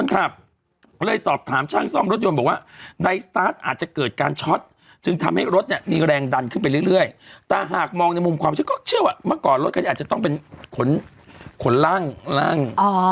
ความใช่ก็เชื่อว่าเมื่อก่อนรถคันนี้อาจจะต้องเป็นขนล่าง